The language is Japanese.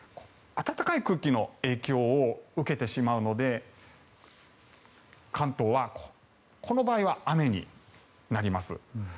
暖かい空気の影響を受けてしまうので関東はこの場合は雨になります。